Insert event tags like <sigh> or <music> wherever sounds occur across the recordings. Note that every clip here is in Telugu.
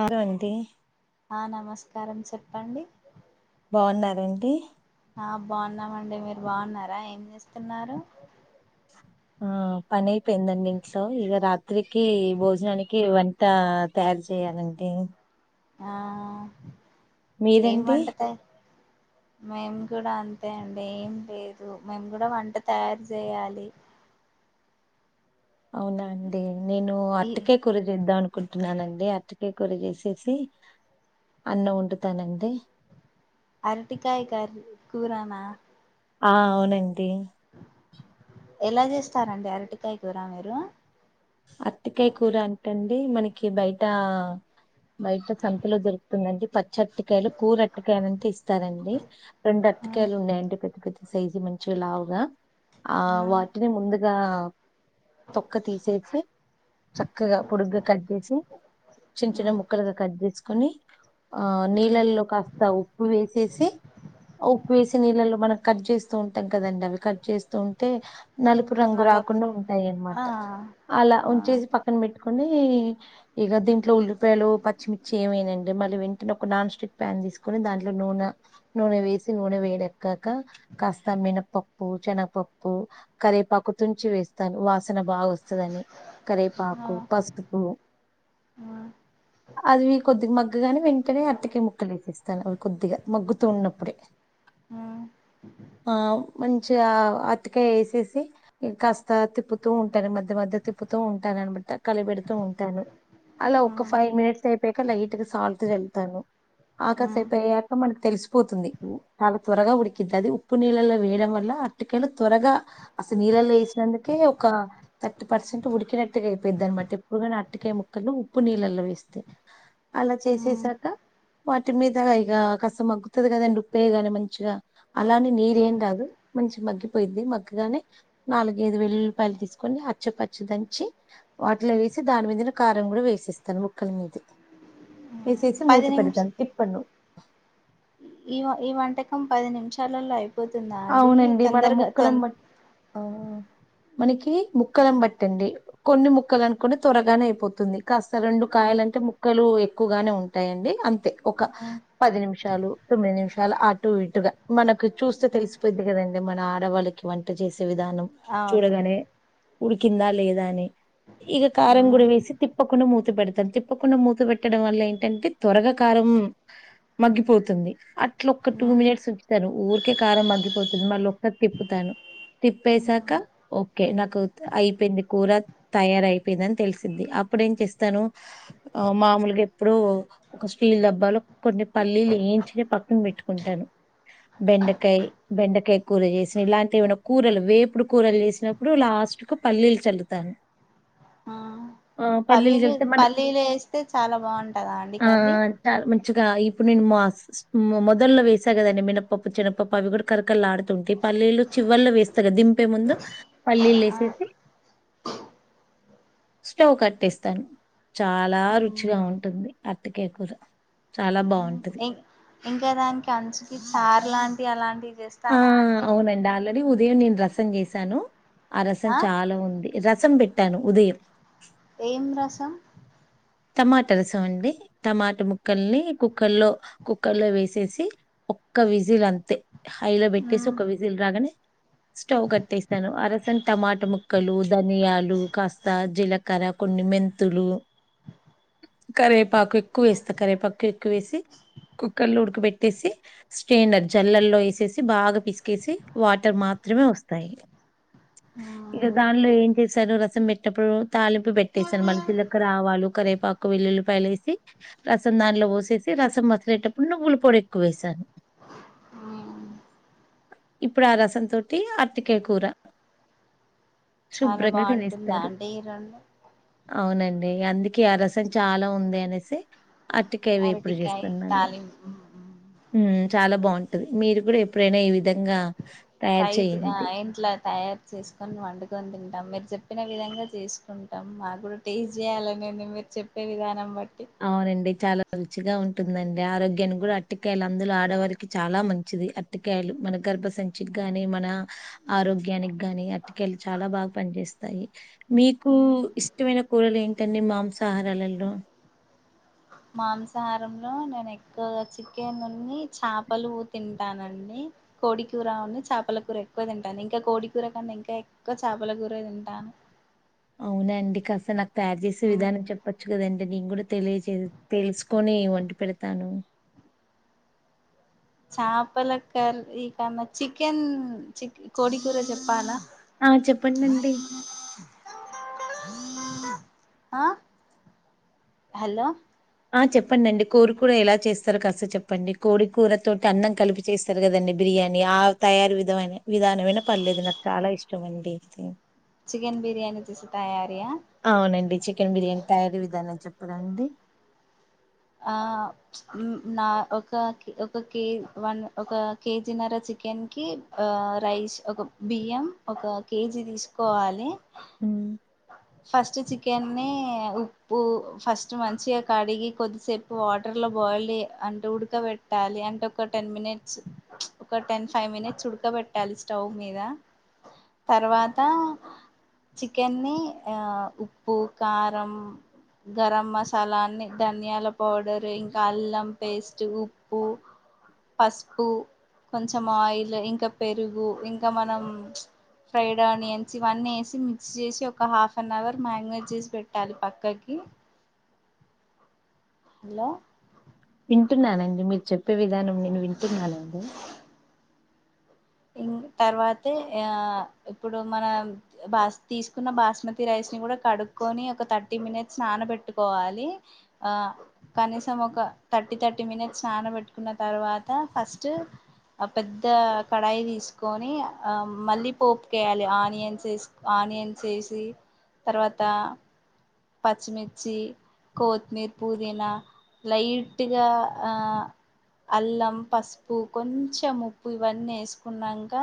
ఆరు అంది ఆ నమస్కారం చెప్పండి బాగున్నారండి ఆ బాగున్నామండి మీరు బాగున్నార ఏం చేస్తున్నారు ఆ పని అయిపోయిందండి ఇంట్లో ఇగ రాత్రికి భోజనానికి వంట తయారు చేయాలండి అది ఆ ఏం మీరండి వండుతవ్ మేం కూడ అంతే అండి ఏం లేదు మేము కూడ వంట తయారు చేయాలి అవున అండి నేను ఈ అరటి కాయ కూర చేద్దాం అనుకుంటున్నానండి అరటికాయ కూర చేసేసి అన్నం వండుతానండి అరటి కాయ కర్రి కూర అనర ఆ అవునండి ఎలా చేస్తారండి అరటికాయ కూర మీరు అరటికాయ కూర అంటె అండి మనకి బయట బయట సంతలో దరుకుతుందండి చెట్టుకాయలు కూర అటికాయలు అంటె ఇస్తారండి రెండు మ్ అరటికాయలు ఉన్నాయండి పెద్ద పెద్ సైజు మంచి లావుగా ఆ మ్ వాటిని ముందుగా తొక్క తీసేసి చక్కగా పొడుగ్గా కట్ చేసి చించిన మ్ ముక్కలుగా కట్ చేసుకొని ఆ మ్ నీళ్ళల్లో కాస్త ఉప్పు వేసేసి ఉప్పు వేసి నీళ్ళలో మనం కట్ చేస్తూ ఉంటాం కదండి అవి కట్ చేస్తూ ఉంటే నలుపు రంగు నల్లప్పుడు రాకుండా ఉంటాయి ఆ అనమాట అలా ఆ ఉంచేసి పక్కన పెట్టుకుని ఇగ దీంట్లో ఉల్లిపాయలు పచ్చిమిర్చి ఏవేయానండి మళ్ళీ వెంటనే ఒక నాన్ స్టిక్ ప్యాన్ తీసుకు దాంట్లో నూన నూనె వేసి నూనె వేడెక్కక కాస్త మినపప్పు శనగపప్పు కరేపాకు తుంచి వేస్తాను వాసన బా వస్ వస్తదాని ఆ ఆ కరేపాకు పసుపు అదివి కొద్దిగా మ మగ్గగానే వెంటనే ఆటికై ముక్కలు ఎస్స్తాను కొద్దిగా మగ్గుతూ ఉన్నప్పుడే ఆ ఆ ఆ మ చిగ అతికాయ వేసేసి కాస్త తిప్పుతూ ఉంటారు మధ్ మధ్య మధ్య తిప్పుతూ ఉంటాను అనమాట కలి పెడుతూ ఉంటాను అలా ఒక ఫైవ్ మినిట్స్ అయిపోయాక లైట్గ సాల్ట్ జాల్తాను ఆ ఆకాసేపాయక మన్కి తెస్సు పోతుంది చాలా త్వరగా ఉడికిద్ అది ఉప్పు నీళ్ళలో వేయడం వల్ల ఆటికైలు త్వరగా అసలు నీళ్ లేసినందుకి ఒక థర్టీ పర్సెంట్ ఉడ్కినటిగ అయిపోయిద్ది అనమాట ఎప్పుడుగానా అటికాయ ముక్కల్లో ఉప్పు నీళ్ళల్లో వేస్తే అలా చేసేసాక వాటి మీద ఇగ కాస్త మగ్గుతదికాదండి ఉప్పేయగాని మంచిగా అలాని నీరేం కాదు కొంచం మగ్గిపోయింది మగ్గగానే నాలుగైదు వెల్లులిపాయలు తీసు కొని అచ్చపచ్చ దంచి వాటిలో వేసి దాని మీద కారం కూడా వేసేస్తాను ముక్కల మీద వేసేసి పది నిమిష మూతపెడతాను తిపన్ను ఈ ఈ వంటకం పది నిమిషాలల్లో అయి అవునండి మన ముక్కలం మట్ ఆ మనకి ముక్కలం బట్టండి కొన్ని ముక్కలు అనుకుని త్వరగానే అయిపోతుంది కాస్త రెండు కాయ అలాంటి ముక్కలు ఎక్కువగానే ఉంటాయండి అంతే ఒక పది నిమిషాలు తొమ్మిది నిమిషాలు అటు ఇటుగా మనకు చూస్తే తెల్స్ పోయిది కదండి మన ఆడవాళ్ళకి వంట చేసే విధానం అవును చూడగానే ఉడికిందా లేదా అని ఇక కారంకుడా వేసి తిప్పకుండా మూత పెడతారు తిప్పకుండా మూత పెట్టడం వల్ల ఏంటంటే త్వరగా కారం మగ్గిపోతుంది అట్లా ఒక టూ మినిట్స్ ఉంచతారు ఊరికే కారం మగ్గిపో పోతుంది మళ్ళ ఒక్కట్ తిప్పుతాను తిప్పేసాక ఓకే నాకు అయిపోయింది కూర తయారైపోయిందని తెలిసింది అప్పుడేం చేస్తాను ఆ మామూలుగా ఎప్పుడు ఒక స్టీల్ డబ్బాలో కొన్ని పల్లీలే ఏయించిన పక్కన పెట్టుకుంటాను బెండకాయ బెండకాయ కూర చేసినా ఇలాంటివేన కూరలు వేపుడు కూరలు చేసినప్పుడు లాస్ట్కు పల్లీలు చల్లుతాను ఆ పల్లీలు జల్తే మాలి పల్లీలు వేస్తే చాలా బాగుంటదా అండి ఆ కర్రీ చాల మంచి గా ఇప్పుడు నేను మా మొదలో వేసా కదండి మినపప్పు చిన్నప్పప్పు అవి కూడా కరకార్లడుతువుంటై పల్లీలు చివల్లో వేస్తగ దింపే ముందు పల్లీలు ఆ ఎసేకి స్టవ్ కట్టేస్తాను చాలా రుచిగా ఉంటుంది ఆటికై కూర చాలా బావ్ ఇం ఇంకా దానికి అంచుకి చార్ లాంటి అలాంటివ్ ఆ! చేస్తారా అండి అవునండి. ఆల్రెడీ ఉదయం నేను రసం చేసాను ఆ రసం చాలా ఉంది రసం పెట్టాను ఉదయం. ఏం రసం? టమాట రసమండి టమాట ముక్కల్ని కుక్కర్లో కుక్కర్లో వేసేసి ఒక్క విజిల్ అంతే హైలో పెట్టేసి మ్మ్ ఒక విజిల్ రాగానే స్టవ్ కట్టేస్తాను అరసన్ టమాట ముక్కలు, ధనియాలు కాస్తా జీలకర కొన్ని మెంతులు కరేపాకు ఎక్కువేస్తా కరేపాకు ఎక్కువేసి కుక్కర్లో ఉడకబెట్టేసి స్టేండర్ జల్లల్లో ఏసేసి బాగా పిసుకేసి వాటర్ మా త్రమే వస్తాయి. ఇగ దాంట్లో ఏం చేసారు రసం పెట్టిప్పుడు తాలింపు పెట్టేసారు మళ్ళీ మ్మ్ జీలకర్ర, ఆవాలు కరేపాకు, వెల్లుల్లిపాయలేేసి రసం దానిలో పోసేసి రసం మసలేటప్పుడు నువ్వుల పొ డి ఎక్కువేసాన్ మ్మ్ ఇప్పుడు ఆ రసంతోటి ఆర్టికాయ్ కూర చాలా శుభ్రంగా బాగుంటుంది తినేస్తారు అంటే ఈ రెం అవునండి అందుకే ఆ రసం చాలా ఉంది అనేసి అట్టికాయ వేపుడు అరటికాయ చేస్తున్నాను. తాలింపు మ్ చాలా బాగుంటది మీరు గుడా ఎప్పుడైనా ఈ విధంగా తయారు ట్రై ఆ చేయండి ఎంట్ల తయార్ చేస్కొన్ వండుకొని తింటాం మీరు చెప్పిన విధంగా చేస్కుంటాం మాక్ గుడా టేస్ట్ చేయాలన్ ఉంది మీర్ చెప్పే విధానం బ అవునండి. చాలా రుచిగా ఉంటుందండి ఆరోగ్యానికి గుడా అట్టికాయలు అందులో ఆడవారికి చాలా మంచిది అట్టికాయలు మన గర్భసంచిక్ గాని మన ఆరోగ్యానిక్ గాని అట్టికాయలు చాలా బాగా పనిచేస్తాయి. మీకు ఇష్టమైన కూరలేంటండి మాంసాహారాలల్లో మాంసాహారంలో నేన్ ఎక్కువగా చికెన్నున్ని, చాపలు తింటానండి. కోడి కూర ఉను చాపల కూర ఎక్కువ తింటాన్ ఇంకా కోడి కూర కన్నా ఇంకా ఎక్కువ చాపల కూర తింటా. అవునా అండి కాస్త నాక్ తయార్ చేసే విధానం చెప్పొచ్చు కదం డి నేన్ గుడా తెలియజే తెల్సుకొని వండి పెడతాను. చాపల కర్రీ కన్నా చికెన్ చిక్ కోడి కూర చెప్పాలా? ఆ చెప్పండండి. ఆ హలో ఆ చెప్పండండి కోరి కూర ఎలా చేస్తారో కాస్త చెప్పండి కోడి కూర తోటి అన్నం కలిపి చేస్తారు కదండి బి ర్యానీ ఆ తయార్ విధమైన విధానమైన పర్లేదు నాక్ చాలా ఇష్టమండి. చికెన్ బిర్యానీ చేసే తయారియా అవునండి చికెన్ బిర్యానీ తయారీ విధానం చెప్పడండి. ఆ నా ఒక ఒక కే వన్ ఒక కేజీనర చి చికెన్కి ఆ రైస్ ఒక బియ్యం ఒక కేజీ తీస్కోవాలి. హ్మ్. ఫస్ట్ చికెన్నీ ఉ ఉప్పు ఫస్ట్ మంచిగ కడిగి కొద్ సేపు వాటర్లో బాయిల్ అంటే ఉడకబెట్టాలి అంటే ఒక టెన్ మినిట్స్ ఒక టెన్ ఫైవ్ మినిట్స్ ఉడకబెట్టాలి స్టవ్ మీద తర్వాతా చికెన్నీ ఆ ఉప్పు, కారం గరం మసాల అన్ని ధనియాల పౌడర్ ఇంకా అల్లం పేస్ట్, ఉప్ పసుపు, కొంచం ఆయిల్, ఇంకా పెరుగు, ఇంకా మనం ఫ్రైడ్ ఆనియన్స్ ఇవన్నీ ఎసి మిక్స్ చేసి ఒక హాఫ్ అన్ అవర్ మ్యాంగ్నెట్జెసి పెట్టాలి పక్కకి హలో వింటున్నానండి మీరు చెప్పే విధానం నేను వింటున్నానండి ఇంగ్ తర్వాతే ఆ ఇప్పుడు మన బాస్ తీసుకున్న బాస్మతి రైస్ స్ నీ గూడ కడుక్కొని ఒక థర్టీ మినిట్ నాన బెట్టుకోవాలి అ కనీసం ఒక థర్టీ థర్టీ మినిట్స్ స్నాన బెట్టుకున్న తర్వాత ఫస్ట్ ఆ పెద్ద కడాయి తీసుకొని అ మళ్ళీ పోపుకెయ్యలి ఆనియన్స్ ఎసుక్ ఆనియన్స్ ఎసి తర్వాత పచ్చిమిర్చి కోత్మీర్ పుదీనా లైట్గా ఆ అల్లం పసుపు కొంచెం ఉప్పు ఇవన్నీ ఎసుకున్నాంక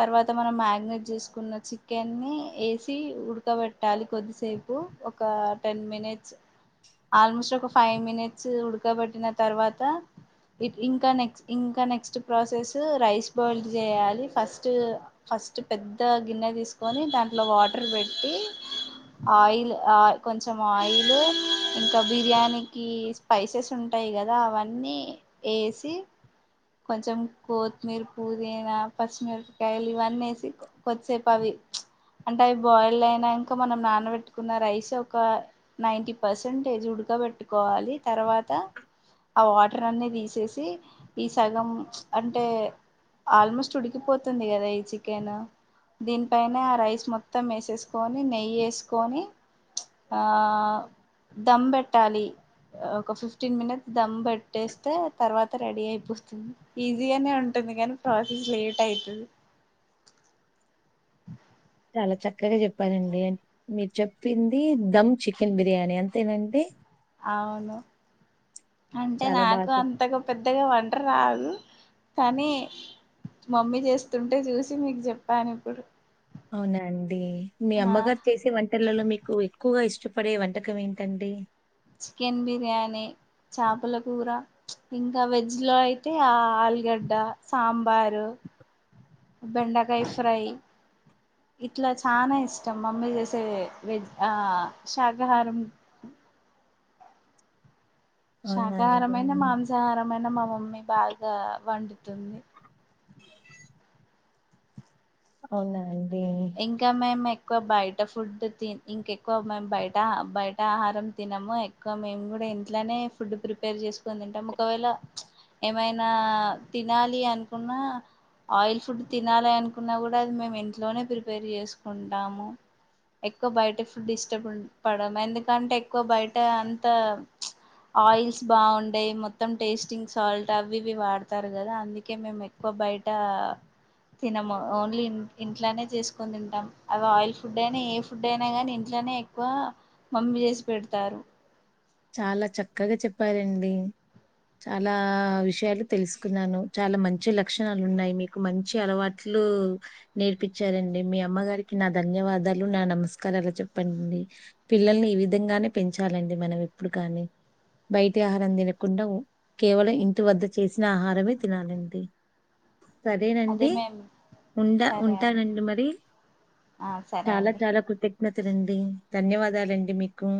తర్వాత మనం మ్యాగ్నేట్ చేసుకున్న చికెన్ని ఎసి ఉడకబెట్టాలి కొద్దిసేప్ పు ఒక టెన్ మినిట్స్ ఆల్మోస్ట్ ఒక ఫైవ్ మినిట్స్ ఉడకబెట్టిన తర్వాత ఇ ఇంకా నెక్స్ట్ ఇంకా నెక్స్ట్ ప్రాసెస్ రైస్ బాయిల్ చేయాలి ఫస్ట్ ఫస్ట్ పెద్దగ గిన్నె తీసుకొని దాంట్లో వాటర్ పెట్టి ఆయిల్ ఆ కొంచెం ఆయిల్ ఇంకా బిర్యానీకి స్పైపైసెస్ ఉంటాయి గదా అవన్నీ ఎసి కొంచెం కొత్మీర్ పుదీనా పచ్చిమిరపకాయలు ఇవన్నేసి కొద్దిసేపవి అంటే అవి బాయిల్డ్ అయినంక మనం నానబెట్టుకున్న రైస్ ఒక నైంటీ పర్సెంటేజ్ ఉడకబెట్టుకోవాలి తర్వాత ఆ వాటర్ అన్ని తీసేసి ఈ సగం అంటే ఆల్మోస్ట్ ఉడికిపోతుంది గదా ఈ చికెన్ దీనిపైనే ఆ రైస్ మొత్తం ఎసేసుకొని నెయ్యేసుకొని ఆ దమ్ బెట్టాలి ఒక ఫిఫ్టీన్ మినిట్స్ దమ్ పెట్టేస్తే తర్వాత రెడీ అయి పోతుంది ఈజీగానే ఉంటుంది కానీ ప్రాసెస్ లేట్ అయితది <inaudible> చాలా చక్కగా చెప్పారండి మీరు చెప్పింది దమ్ చికెన్ బిర్యానీ అంతేనండి అవును అంటే చాలా బాగా నాకు చెప్ అంతగా పెద్దగా వంట రాదు కానీ మమ్మీ చేస్తుంటే చూసి మీకు చెప్పాను ఇప్పుడు అవునా అండి మీ ఆ అమ్మగారు చేసే వంటళ్ళల్లో మీకు ఎక్కువగా ఇష్ ఇష్టపడే వంటకం ఏంటండి చికెన్ బిర్యానీ చపల కూర ఇంకా వెజ్ లో అయితే ఆ ఆల్గడ్డ సాంబారు బెండకాయ్ ఫ్రై ఇట్లా చానా ఇష్టం మమ్మీ చేసే వెజ్ ఆ శాకాహారం అవునా అండి శాకాహారమయిన మాంసాహారమయిన మా మమ్మీ బాగా వండుతుంది అవునాండి ఇంకా మేమే ఎక్కువ బయట ఫుడ్ తి ఇంకెక్కువ మేం బయట బయట ఆహారం తినము ఎక్కువ మేమ్ గుడా ఇంట్లనే ఫుడ్ ప్రిపేర్ చేసుకొని తింటం ఒకవేళ ఏమైనా తినాలి అనుకున్నా ఆయిల్ ఫుడ్ తినాలి అనుకున్నా కూడా అది మేము ఇంట్లోనే ప్రిపేర్ చేసుకుంటాము ఎక్కువ బయట ఫుడ్ ఇష్ట పడ్ పడము ఎందుకంటే ఎక్కువ బయట అంత ఆయిల్స్ బాగుండేయి మొత్తం టేస్టింగ్ సాల్ట్ అవి ఇవి వాడతారు కదా అందుకే మేము ఎక్కువ బయట తినము ఓన్లీ ఇంట్లోనే చేస్ కొని తింటాం అవి ఆయిల్ ఫుడ్ అయినా ఏ ఫుడ్ అయినా గాని ఇంట్లోనే ఎక్కువ మమ్మి చేసి పెడతారు చాలా చక్కగా చెప్పారండి చాలా విషయాలు తెలుసుకున్నాను చాలా మంచి లక్షణాలు ఉన్నాయ్ మీకు మంచి అలవాట్లు నేర్పించారండి మీ అమ్మగారికి నా ధన్యవాదాలు నా నమస్కారాలు చెప్పండి. పిల్లల్ని ఈ విధంగానే పెంచాలండి మనం ఎప్పుడు కానీ బయటి ఆహారం తినకుండా కేవలం ఇంటి వద్ద చేసిన ఆహారమే తినాలండి. అదే సరేనండి మేము ఉండ సరే అండి ఉంటానండి మరి ఆ సరే అండి తలండి ధన్యవాదాలండి మీకు